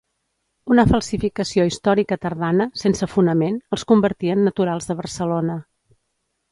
Una falsificació històrica tardana, sense fonament, els convertí en naturals de Barcelona.